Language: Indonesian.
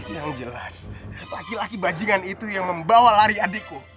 yang jelas laki laki bajingan itu yang membawa lari adikku